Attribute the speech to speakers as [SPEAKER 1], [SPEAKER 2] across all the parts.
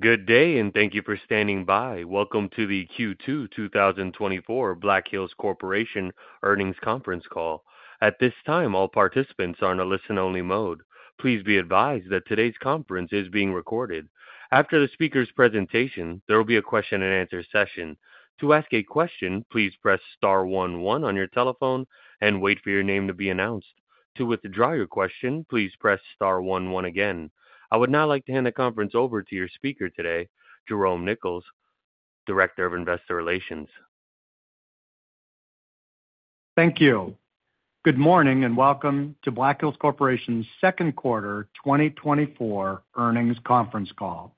[SPEAKER 1] Good day, and thank you for standing by. Welcome to the Q2 2024 Black Hills Corporation Earnings Conference Call. At this time, all participants are in a listen-only mode. Please be advised that today's conference is being recorded. After the speaker's presentation, there will be a question-and-answer session. To ask a question, please press star one one on your telephone and wait for your name to be announced. To withdraw your question, please press star one one again. I would now like to hand the conference over to your speaker today, Jerome Nichols, Director of Investor Relations.
[SPEAKER 2] Thank you. Good morning and welcome to Black Hills Corporation's Second Quarter 2024 Earnings Conference Call.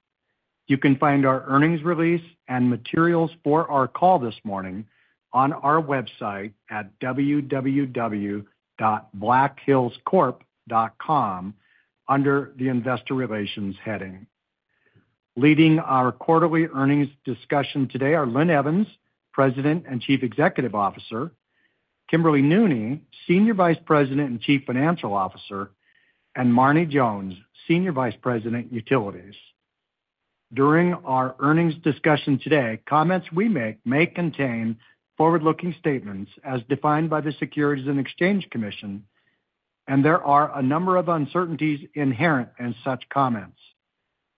[SPEAKER 2] You can find our earnings release and materials for our call this morning on our website at www.blackhillscorp.com under the Investor Relations heading. Leading our quarterly earnings discussion today are Linn Evans, President and Chief Executive Officer; Kimberly Nooney, Senior Vice President and Chief Financial Officer; and Marne Jones, Senior Vice President, Utilities. During our earnings discussion today, comments we make may contain forward-looking statements as defined by the Securities and Exchange Commission, and there are a number of uncertainties inherent in such comments.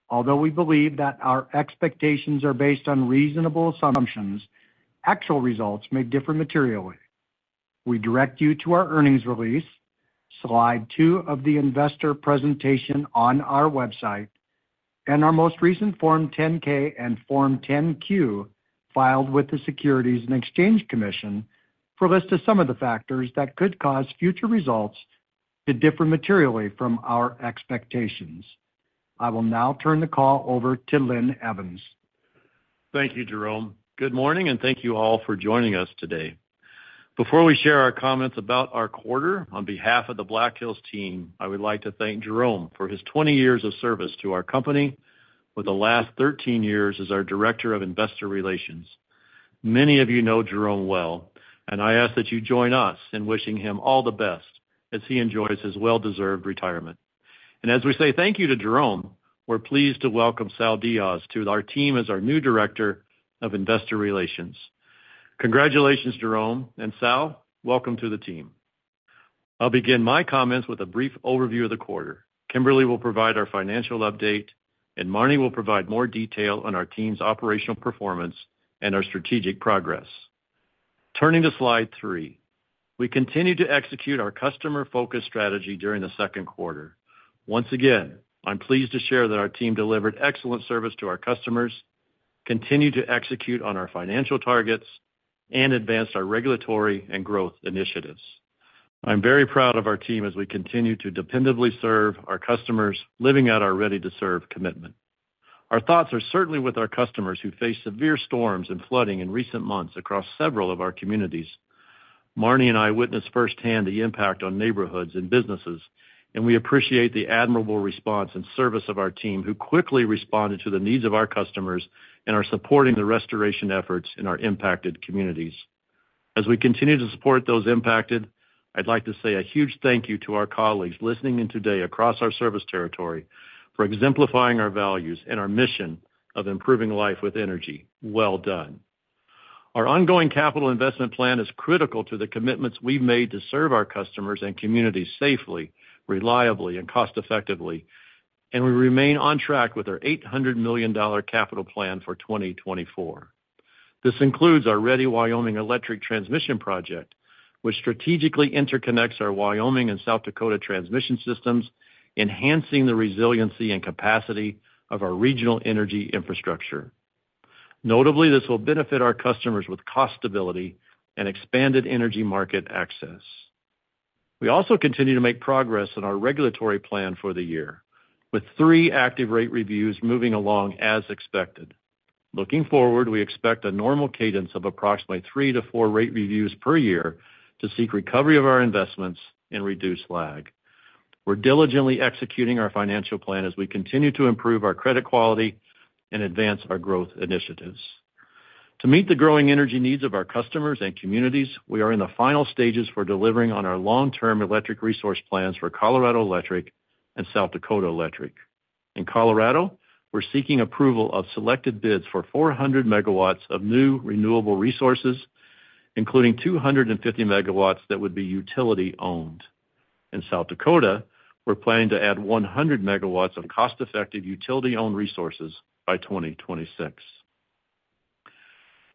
[SPEAKER 2] Although we believe that our expectations are based on reasonable assumptions, actual results may differ materially. We direct you to our earnings release, slide two of the investor presentation on our website, and our most recent Form 10-K and Form 10-Q filed with the Securities and Exchange Commission for a list of some of the factors that could cause future results to differ materially from our expectations. I will now turn the call over to Linn Evans.
[SPEAKER 3] Thank you, Jerome. Good morning, and thank you all for joining us today. Before we share our comments about our quarter, on behalf of the Black Hills team, I would like to thank Jerome for his 20 years of service to our company, with the last 13 years as our Director of Investor Relations. Many of you know Jerome well, and I ask that you join us in wishing him all the best as he enjoys his well-deserved retirement. And as we say thank you to Jerome, we're pleased to welcome Sal Diaz to our team as our new Director of Investor Relations. Congratulations, Jerome and Sal, welcome to the team. I'll begin my comments with a brief overview of the quarter. Kimberly will provide our financial update, and Marne will provide more detail on our team's operational performance and our strategic progress. Turning to slide three, we continue to execute our customer-focused strategy during the second quarter. Once again, I'm pleased to share that our team delivered excellent service to our customers, continued to execute on our financial targets, and advanced our regulatory and growth initiatives. I'm very proud of our team as we continue to dependably serve our customers, living out our ready-to-serve commitment. Our thoughts are certainly with our customers who faced severe storms and flooding in recent months across several of our communities. Marne and I witnessed firsthand the impact on neighborhoods and businesses, and we appreciate the admirable response and service of our team, who quickly responded to the needs of our customers and are supporting the restoration efforts in our impacted communities. As we continue to support those impacted, I'd like to say a huge thank you to our colleagues listening in today across our service territory for exemplifying our values and our mission of improving life with energy. Well done. Our ongoing capital investment plan is critical to the commitments we've made to serve our customers and communities safely, reliably, and cost-effectively, and we remain on track with our $800 million capital plan for 2024. This includes our Ready Wyoming Electric Transmission Project, which strategically interconnects our Wyoming and South Dakota transmission systems, enhancing the resiliency and capacity of our regional energy infrastructure. Notably, this will benefit our customers with cost stability and expanded energy market access. We also continue to make progress in our regulatory plan for the year, with three active rate reviews moving along as expected. Looking forward, we expect a normal cadence of approximately 3-4 rate reviews per year to seek recovery of our investments and reduce lag. We're diligently executing our financial plan as we continue to improve our credit quality and advance our growth initiatives. To meet the growing energy needs of our customers and communities, we are in the final stages for delivering on our long-term electric resource plans for Colorado Electric and South Dakota Electric. In Colorado, we're seeking approval of selected bids for 400 MW of new renewable resources, including 250 MW that would be utility-owned. In South Dakota, we're planning to add 100 MW of cost-effective utility-owned resources by 2026.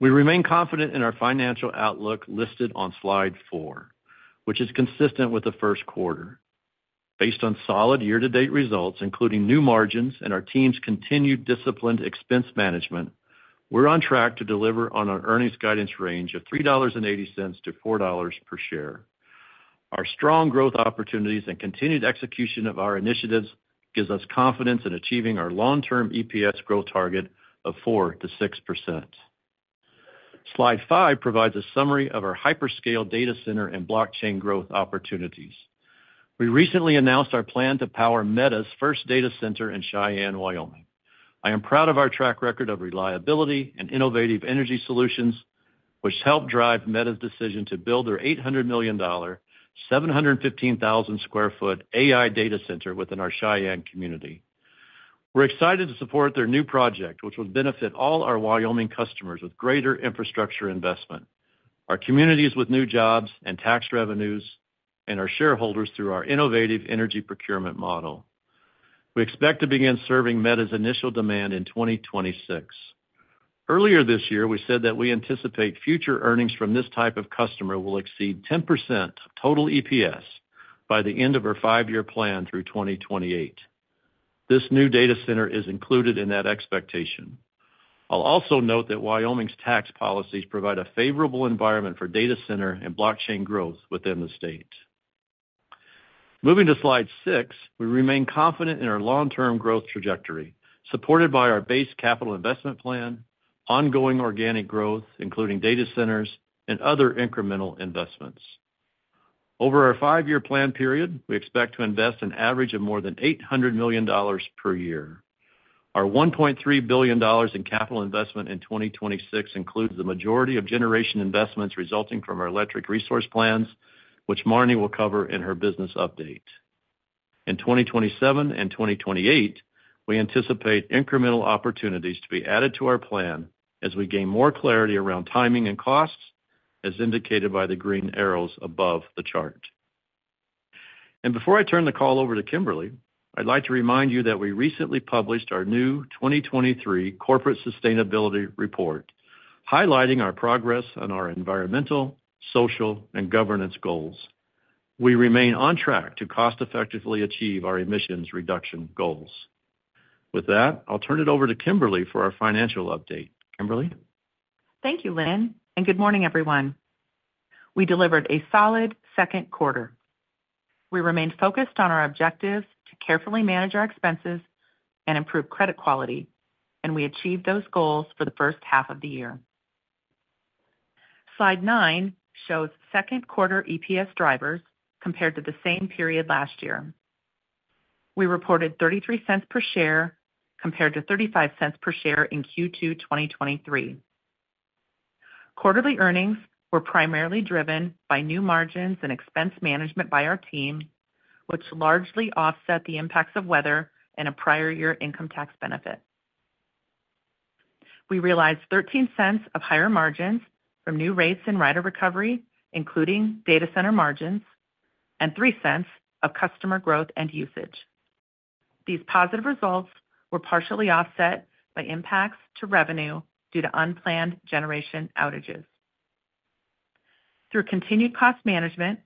[SPEAKER 3] We remain confident in our financial outlook listed on slide four, which is consistent with the first quarter. Based on solid year-to-date results, including new margins and our team's continued disciplined expense management, we're on track to deliver on our earnings guidance range of $3.80-$4 per share. Our strong growth opportunities and continued execution of our initiatives give us confidence in achieving our long-term EPS growth target of 4%-6%. Slide five provides a summary of our hyperscale data center and blockchain growth opportunities. We recently announced our plan to power Meta's first data center in Cheyenne, Wyoming. I am proud of our track record of reliability and innovative energy solutions, which helped drive Meta's decision to build their $800 million, 715,000 sq ft AI data center within our Cheyenne community. We're excited to support their new project, which will benefit all our Wyoming customers with greater infrastructure investment, our communities with new jobs and tax revenues, and our shareholders through our innovative energy procurement model. We expect to begin serving Meta's initial demand in 2026. Earlier this year, we said that we anticipate future earnings from this type of customer will exceed 10% of total EPS by the end of our five-year plan through 2028. This new data center is included in that expectation. I'll also note that Wyoming's tax policies provide a favorable environment for data center and blockchain growth within the state. Moving to slide six, we remain confident in our long-term growth trajectory, supported by our base capital investment plan, ongoing organic growth, including data centers and other incremental investments. Over our five-year plan period, we expect to invest an average of more than $800 million per year. Our $1.3 billion in capital investment in 2026 includes the majority of generation investments resulting from our electric resource plans, which Marne will cover in her business update. In 2027 and 2028, we anticipate incremental opportunities to be added to our plan as we gain more clarity around timing and costs, as indicated by the green arrows above the chart. Before I turn the call over to Kimberly, I'd like to remind you that we recently published our new 2023 Corporate Sustainability Report, highlighting our progress on our environmental, social, and governance goals. We remain on track to cost-effectively achieve our emissions reduction goals. With that, I'll turn it over to Kimberly for our financial update. Kimberly.
[SPEAKER 4] Thank you, Linn, and good morning, everyone. We delivered a solid second quarter. We remained focused on our objectives to carefully manage our expenses and improve credit quality, and we achieved those goals for the first half of the year. Slide nine shows second quarter EPS drivers compared to the same period last year. We reported $0.33 per share compared to $0.35 per share in Q2 2023. Quarterly earnings were primarily driven by new margins and expense management by our team, which largely offset the impacts of weather and a prior year income tax benefit. We realized $0.13 of higher margins from new rates and rider recovery, including data center margins, and $0.03 of customer growth and usage. These positive results were partially offset by impacts to revenue due to unplanned generation outages. Through continued cost management,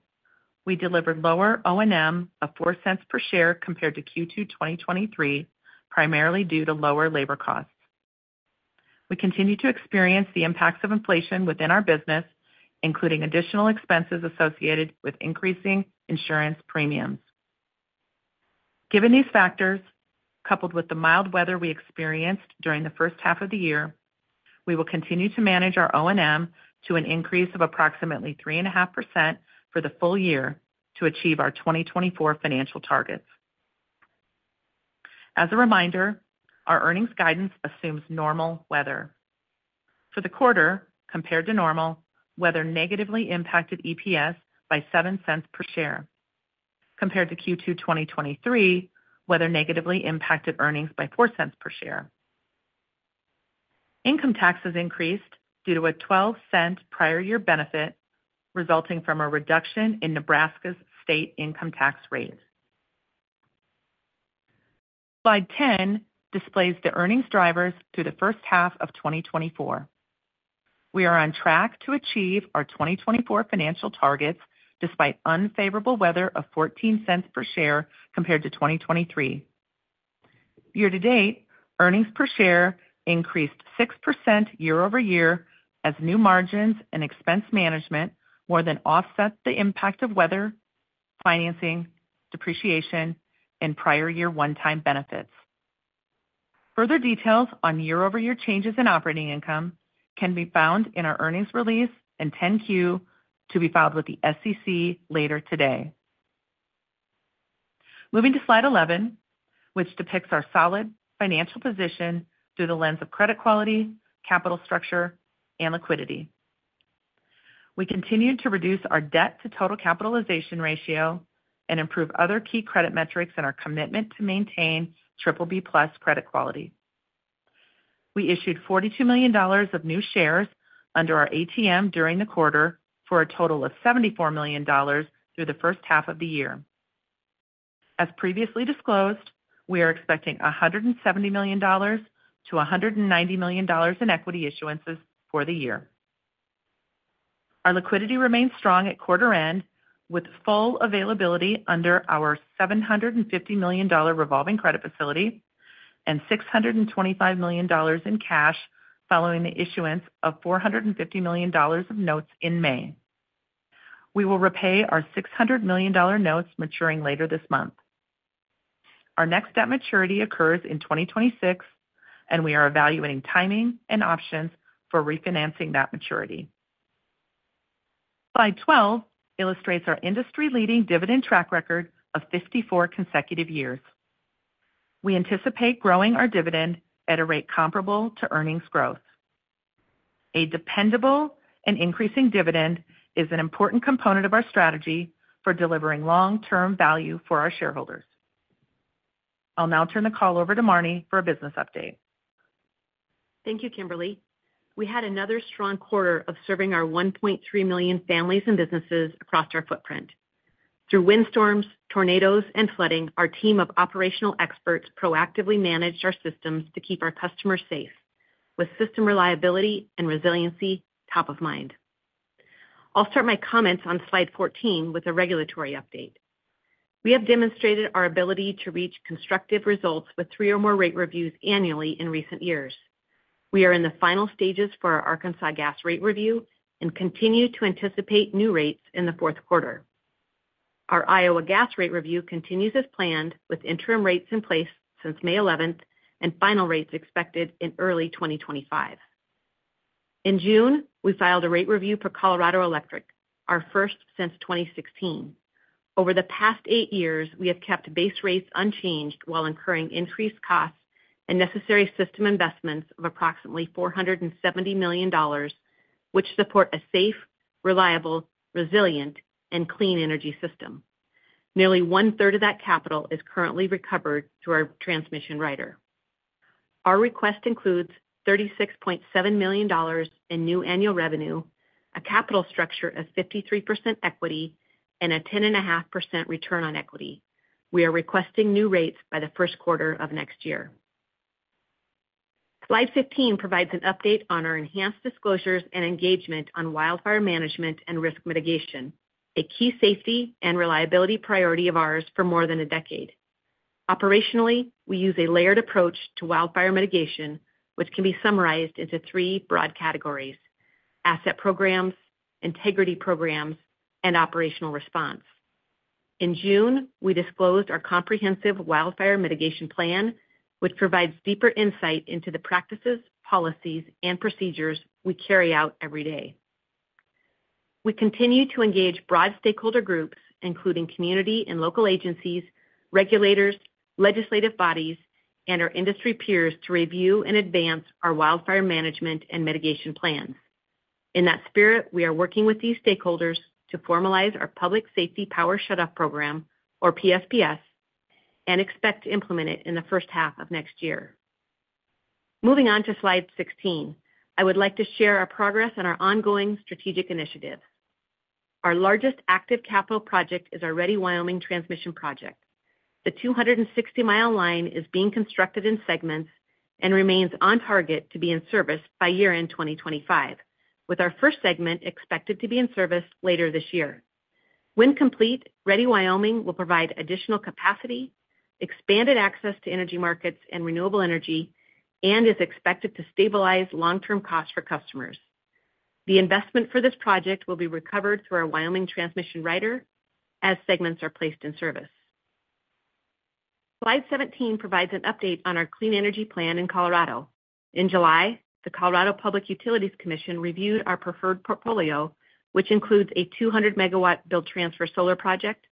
[SPEAKER 4] we delivered lower O&M of $0.04 per share compared to Q2 2023, primarily due to lower labor costs. We continue to experience the impacts of inflation within our business, including additional expenses associated with increasing insurance premiums. Given these factors, coupled with the mild weather we experienced during the first half of the year, we will continue to manage our O&M to an increase of approximately 3.5% for the full year to achieve our 2024 financial targets. As a reminder, our earnings guidance assumes normal weather. For the quarter, compared to normal, weather negatively impacted EPS by $0.07 per share. Compared to Q2 2023, weather negatively impacted earnings by 4 cents per share. Income taxes increased due to a $0.12 prior year benefit resulting from a reduction in Nebraska's state income tax rate. Slide 10 displays the earnings drivers through the first half of 2024. We are on track to achieve our 2024 financial targets despite unfavorable weather of $0.14 per share compared to 2023. Year to date, earnings per share increased 6% year-over-year as new margins and expense management more than offset the impact of weather, financing, depreciation, and prior year one-time benefits. Further details on year-over-year changes in operating income can be found in our earnings release and 10-Q to be filed with the SEC later today. Moving to Slide 11, which depicts our solid financial position through the lens of credit quality, capital structure, and liquidity. We continued to reduce our debt-to-total capitalization ratio and improve other key credit metrics in our commitment to maintain BBB-plus credit quality. We issued $42 million of new shares under our ATM during the quarter for a total of $74 million through the first half of the year. As previously disclosed, we are expecting $170 million-$190 million in equity issuances for the year. Our liquidity remains strong at quarter end, with full availability under our $750 million revolving credit facility and $625 million in cash following the issuance of $450 million of notes in May. We will repay our $600 million notes maturing later this month. Our next debt maturity occurs in 2026, and we are evaluating timing and options for refinancing that maturity. Slide 12 illustrates our industry-leading dividend track record of 54 consecutive years. We anticipate growing our dividend at a rate comparable to earnings growth. A dependable and increasing dividend is an important component of our strategy for delivering long-term value for our shareholders. I'll now turn the call over to Marne for a business update.
[SPEAKER 5] Thank you, Kimberly. We had another strong quarter of serving our 1.3 million families and businesses across our footprint. Through windstorms, tornadoes, and flooding, our team of operational experts proactively managed our systems to keep our customers safe, with system reliability and resiliency top of mind. I'll start my comments on slide 14 with a regulatory update. We have demonstrated our ability to reach constructive results with three or more rate reviews annually in recent years. We are in the final stages for our Arkansas Gas rate review and continue to anticipate new rates in the fourth quarter. Our Iowa Gas rate review continues as planned, with interim rates in place since May 11th and final rates expected in early 2025. In June, we filed a rate review for Colorado Electric, our first since 2016. Over the past 8 years, we have kept base rates unchanged while incurring increased costs and necessary system investments of approximately $470 million, which support a safe, reliable, resilient, and clean energy system. Nearly one-third of that capital is currently recovered through our transmission rider. Our request includes $36.7 million in new annual revenue, a capital structure of 53% equity, and a 10.5% return on equity. We are requesting new rates by the first quarter of next year. Slide 15 provides an update on our enhanced disclosures and engagement on wildfire management and risk mitigation, a key safety and reliability priority of ours for more than a decade. Operationally, we use a layered approach to wildfire mitigation, which can be summarized into three broad categories: asset programs, integrity programs, and operational response. In June, we disclosed our comprehensive wildfire mitigation plan, which provides deeper insight into the practices, policies, and procedures we carry out every day. We continue to engage broad stakeholder groups, including community and local agencies, regulators, legislative bodies, and our industry peers to review and advance our wildfire management and mitigation plans. In that spirit, we are working with these stakeholders to formalize our Public Safety Power Shutoff Program, or PSPS, and expect to implement it in the first half of next year. Moving on to slide 16, I would like to share our progress on our ongoing strategic initiatives. Our largest active capital project is our Ready Wyoming transmission project. The 260-mi line is being constructed in segments and remains on target to be in service by year-end 2025, with our first segment expected to be in service later this year. When complete, Ready Wyoming will provide additional capacity, expanded access to energy markets and renewable energy, and is expected to stabilize long-term costs for customers. The investment for this project will be recovered through our Wyoming transmission rider as segments are placed in service. Slide 17 provides an update on our clean energy plan in Colorado. In July, the Colorado Public Utilities Commission reviewed our preferred portfolio, which includes a 200 MW build-transfer solar project,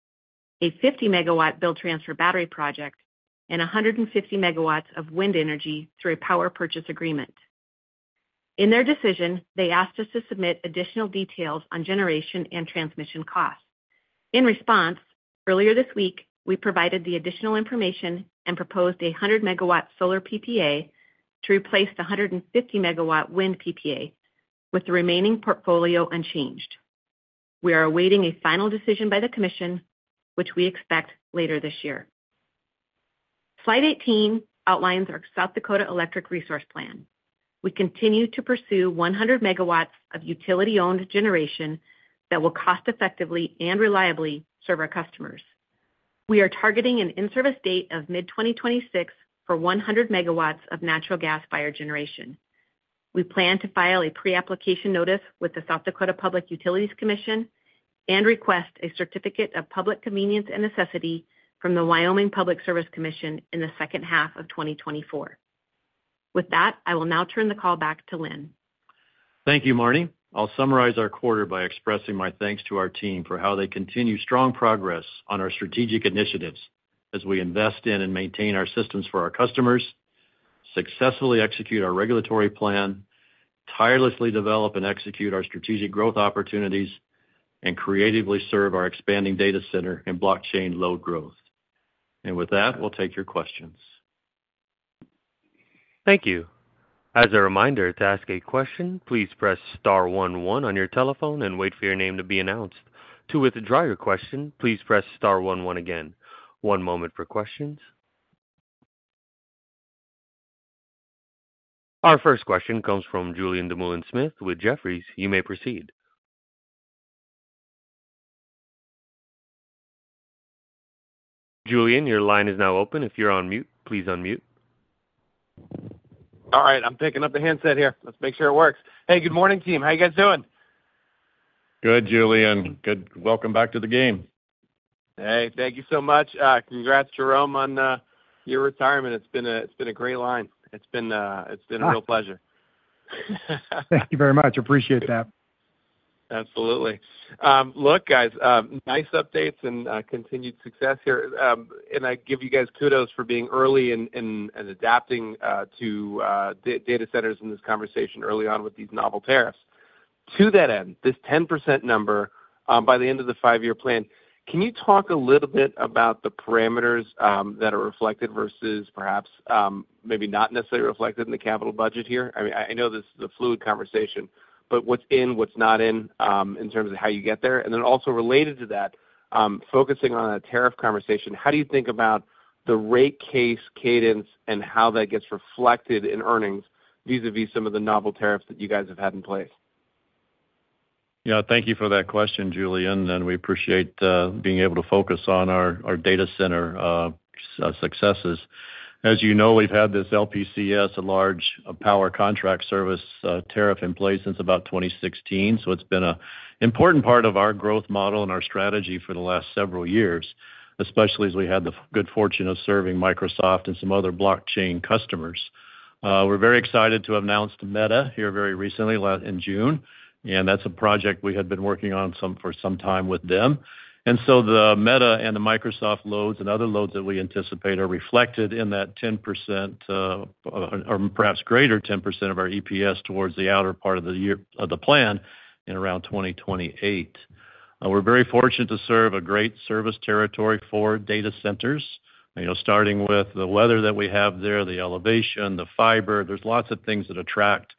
[SPEAKER 5] a 50 MW build-transfer battery project, and 150 MW of wind energy through a power purchase agreement. In their decision, they asked us to submit additional details on generation and transmission costs. In response, earlier this week, we provided the additional information and proposed a 100 MW solar PPA to replace the 150 MW wind PPA, with the remaining portfolio unchanged. We are awaiting a final decision by the Commission, which we expect later this year. Slide 18 outlines our South Dakota electric resource plan. We continue to pursue 100 MW of utility-owned generation that will cost-effectively and reliably serve our customers. We are targeting an in-service date of mid-2026 for 100 MW of natural gas-fired generation. We plan to file a pre-application notice with the South Dakota Public Utilities Commission and request a certificate of public convenience and necessity from the Wyoming Public Service Commission in the second half of 2024. With that, I will now turn the call back to Linn.
[SPEAKER 3] Thank you, Marne. I'll summarize our quarter by expressing my thanks to our team for how they continue strong progress on our strategic initiatives as we invest in and maintain our systems for our customers, successfully execute our regulatory plan, tirelessly develop and execute our strategic growth opportunities, and creatively serve our expanding data center and blockchain load growth. With that, we'll take your questions.
[SPEAKER 1] Thank you. As a reminder, to ask a question, please press star one one on your telephone and wait for your name to be announced. To withdraw your question, please press star one one again. One moment for questions. Our first question comes from Julian Dumoulin-Smith with Jefferies. You may proceed. Julian, your line is now open. If you're on mute, please unmute.
[SPEAKER 6] All right. I'm picking up the handset here. Let's make sure it works. Hey, good morning, team. How are you guys doing?
[SPEAKER 3] Good, Julian. Good. Welcome back to the game.
[SPEAKER 6] Hey, thank you so much. Congrats, Jerome, on your retirement. It's been a great line. It's been a real pleasure.
[SPEAKER 2] Thank you very much. Appreciate that.
[SPEAKER 6] Absolutely. Look, guys, nice updates and continued success here. I give you guys kudos for being early in adapting to data centers in this conversation early on with these novel tariffs. To that end, this 10% number by the end of the five-year plan, can you talk a little bit about the parameters that are reflected versus perhaps maybe not necessarily reflected in the capital budget here? I mean, I know this is a fluid conversation, but what's in, what's not in in terms of how you get there? Then also related to that, focusing on a tariff conversation, how do you think about the rate case cadence and how that gets reflected in earnings vis-à-vis some of the novel tariffs that you guys have had in place?
[SPEAKER 3] Yeah, thank you for that question, Julian. We appreciate being able to focus on our data center successes. As you know, we've had this LPCS, a Large Power Contract Service tariff in place since about 2016. It's been an important part of our growth model and our strategy for the last several years, especially as we had the good fortune of serving Microsoft and some other blockchain customers. We're very excited to have announced Meta here very recently, in June. That's a project we had been working on for some time with them. The Meta and the Microsoft loads and other loads that we anticipate are reflected in that 10% or perhaps greater 10% of our EPS towards the outer part of the plan in around 2028. We're very fortunate to serve a great service territory for data centers, starting with the weather that we have there, the elevation, the fiber. There's lots of things that attract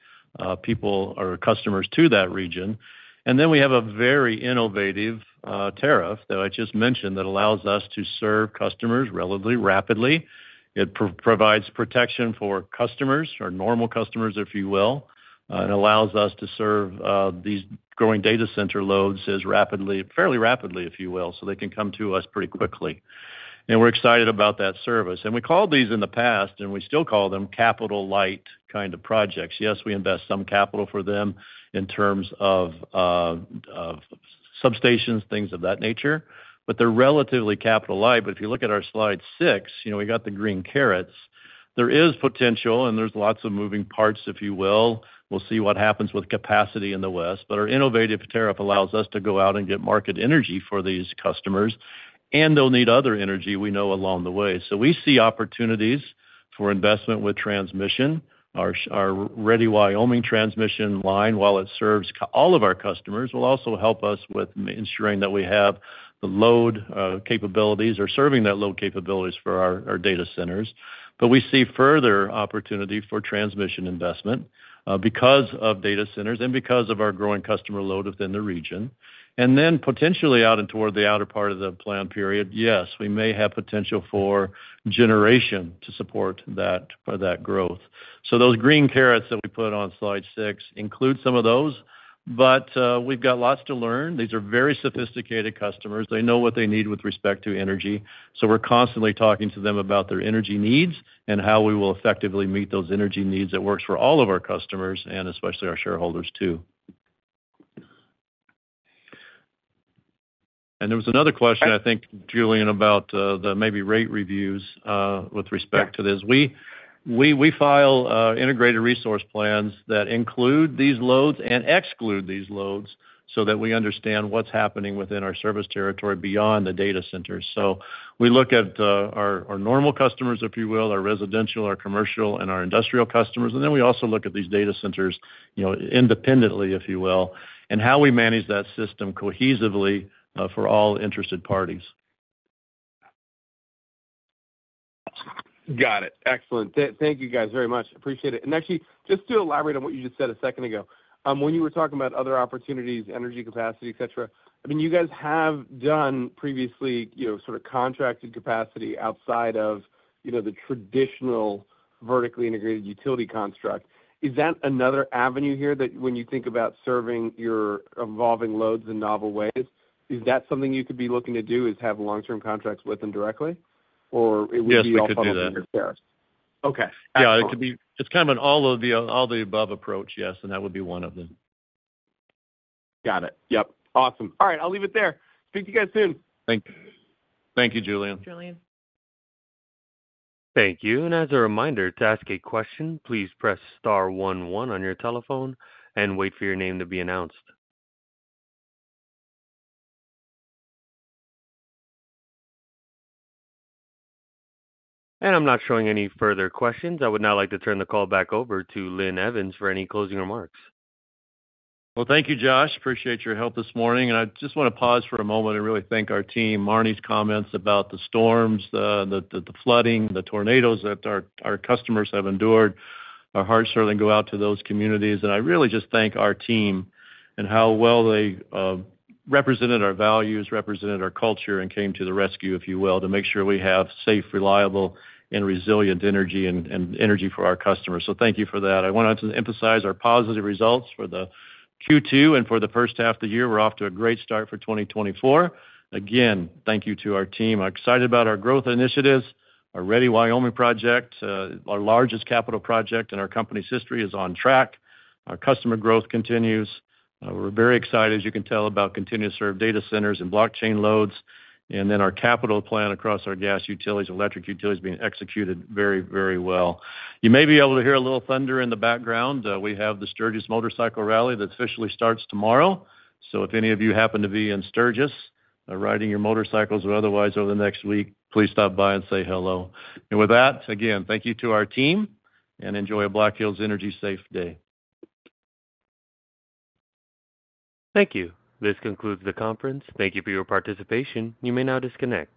[SPEAKER 3] people or customers to that region. And then we have a very innovative tariff that I just mentioned that allows us to serve customers relatively rapidly. It provides protection for customers, or normal customers, if you will, and allows us to serve these growing data center loads fairly rapidly, if you will, so they can come to us pretty quickly. And we're excited about that service. And we called these in the past, and we still call them capital-light kind of projects. Yes, we invest some capital for them in terms of substations, things of that nature, but they're relatively capital-light. But if you look at our slide six, we got the green caretts. There is potential, and there's lots of moving parts, if you will. We'll see what happens with capacity in the west. But our innovative tariff allows us to go out and get market energy for these customers, and they'll need other energy we know along the way. So we see opportunities for investment with transmission. Our Ready Wyoming transmission line, while it serves all of our customers, will also help us with ensuring that we have the load capabilities or serving that load capabilities for our data centers. But we see further opportunity for transmission investment because of data centers and because of our growing customer load within the region. And then potentially out and toward the outer part of the plan period, yes, we may have potential for generation to support that growth. So those green carets that we put on slide six include some of those, but we've got lots to learn. These are very sophisticated customers. They know what they need with respect to energy. So we're constantly talking to them about their energy needs and how we will effectively meet those energy needs that works for all of our customers and especially our shareholders too. And there was another question, I think, Julian, about the maybe rate reviews with respect to this. We file integrated resource plans that include these loads and exclude these loads so that we understand what's happening within our service territory beyond the data centers. So we look at our normal customers, if you will, our residential, our commercial, and our industrial customers. And then we also look at these data centers independently, if you will, and how we manage that system cohesively for all interested parties.
[SPEAKER 6] Got it. Excellent. Thank you guys very much. Appreciate it. And actually, just to elaborate on what you just said a second ago, when you were talking about other opportunities, energy capacity, et cetera, I mean, you guys have done previously sort of contracted capacity outside of the traditional vertically integrated utility construct. Is that another avenue here that when you think about serving your evolving loads in novel ways, is that something you could be looking to do is have long-term contracts with them directly, or it would be off of the other tariffs?
[SPEAKER 3] Yeah, it could be. It's kind of an all-of-the-above approach, yes. And that would be one of them.
[SPEAKER 6] Got it. Yep. Awesome. All right. I'll leave it there. Speak to you guys soon.
[SPEAKER 3] Thank you, Julian.
[SPEAKER 2] Julian.
[SPEAKER 1] Thank you. As a reminder, to ask a question, please press star one one on your telephone and wait for your name to be announced. I'm not showing any further questions. I would now like to turn the call back over to Linn Evans for any closing remarks.
[SPEAKER 3] Well, thank you, Josh. Appreciate your help this morning. And I just want to pause for a moment and really thank our team. Marne's comments about the storms, the flooding, the tornadoes that our customers have endured, our hearts certainly go out to those communities. And I really just thank our team and how well they represented our values, represented our culture, and came to the rescue, if you will, to make sure we have safe, reliable, and resilient energy for our customers. So thank you for that. I want to emphasize our positive results for the Q2 and for the first half of the year. We're off to a great start for 2024. Again, thank you to our team. I'm excited about our growth initiatives, our Ready Wyoming project. Our largest capital project in our company's history is on track. Our customer growth continues. We're very excited, as you can tell, about continuing to serve data centers and blockchain loads. And then our capital plan across our gas utilities, electric utilities being executed very, very well. You may be able to hear a little thunder in the background. We have the Sturgis Motorcycle Rally that officially starts tomorrow. So if any of you happen to be in Sturgis riding your motorcycles or otherwise over the next week, please stop by and say hello. And with that, again, thank you to our team and enjoy a Black Hills Energy Safe Day.
[SPEAKER 1] Thank you. This concludes the conference. Thank you for your participation. You may now disconnect.